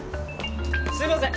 すいません！